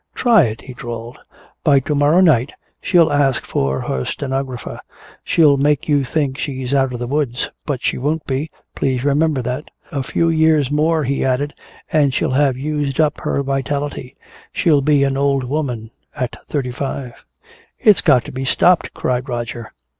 "Try it," he drawled. "By to morrow night she'll ask for her stenographer. She'll make you think she is out of the woods. But she won't be, please remember that. A few years more," he added, "and she'll have used up her vitality. She'll be an old woman at thirty five." "It's got to be stopped!" cried Roger.